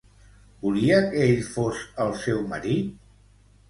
Volia que ell fos el seu marit?